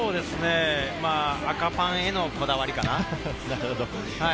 赤パンへのこだわりかな。